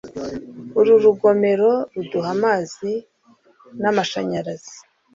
uru rugomero ruduha amazi n'amashanyarazi